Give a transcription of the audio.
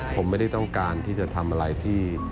ผมไม่ได้ต้องการที่จะทำอะไรที่